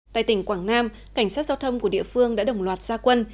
tại tỉnh quảng nam cảnh sát giao thông của địa phương đã đồng loạt gia quân